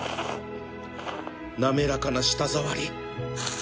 滑らかな舌触り